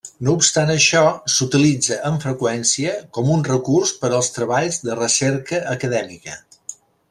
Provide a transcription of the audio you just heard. No obstant això, s'utilitza amb freqüència com un recurs per als treballs de recerca acadèmica.